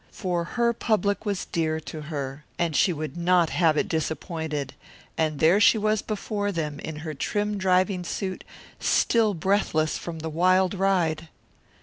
For her public was dear to her, and she would not have it disappointed, and there she was before them in her trim driving suit, still breathless from the wild ride.